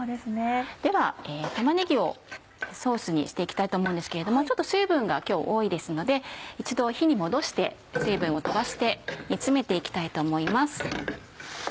では玉ねぎをソースにして行きたいと思うんですけどもちょっと水分が今日多いですので一度火に戻して水分を飛ばして煮詰めて行きたいと思います。